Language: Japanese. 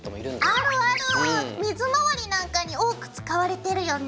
水回りなんかに多く使われてるよね。